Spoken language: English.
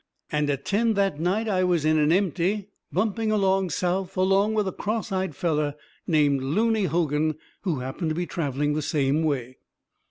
And at ten that night I was in an empty bumping along south, along with a cross eyed feller named Looney Hogan who happened to be travelling the same way.